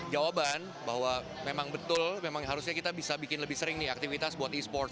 jawaban bahwa memang betul memang harusnya kita bisa bikin lebih sering nih aktivitas buat e sports